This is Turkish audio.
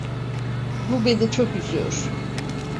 Bu beni çok üzüyor.